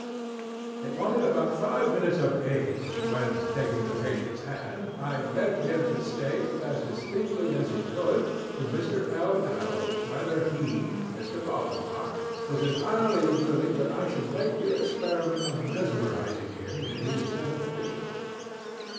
It wanted about five minutes of eight when, taking the patientŌĆÖs hand, I begged him to state, as distinctly as he could, to Mr. LŌĆöl, whether he (M. Valdemar) was entirely willing that I should make the experiment of mesmerizing him in his then condition.